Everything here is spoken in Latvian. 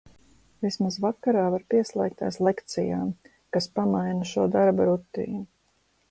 Vismaz vakarā var pieslēgties lekcijām, kas pamaina šo darba rutīnu.